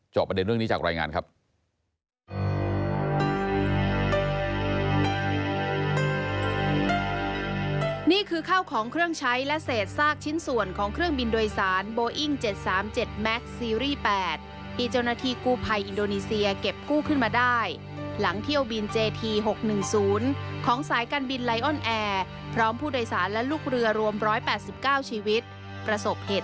ประเด็นเรื่องนี้จากรายงานครับ